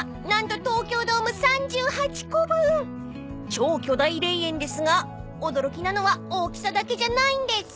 ［超巨大霊園ですが驚きなのは大きさだけじゃないんです］